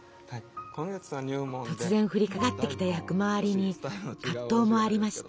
突然降りかかってきた役回りに葛藤もありました。